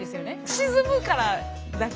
沈むからだけで。